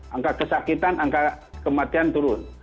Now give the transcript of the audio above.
angka kesakitan angka kematian turun